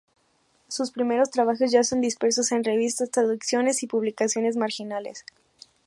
Sus primeros trabajos yacen dispersos en revistas, traducciones y publicaciones marginales.